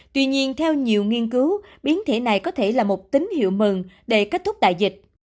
tuy nhiên theo nhiều nghiên cứu biến thể này có thể là một tín hiệu mừng để kết thúc đại dịch